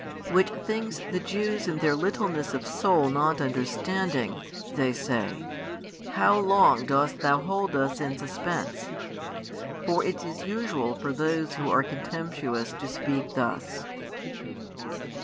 Which things the Jews in their littleness of soul not understanding, they say: How |99 long dost Thou hold us in suspense? For it is usual for those who are contemptuous to speak thus.